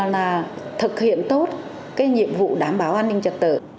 là thực hiện tốt cái nhiệm vụ đảm bảo an ninh trật tự